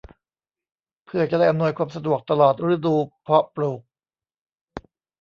เพื่อจะได้อำนวยความสะดวกตลอดฤดูเพาะปลูก